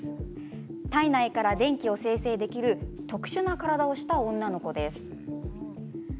体内から電気を生成できる特殊な体をした女の子です。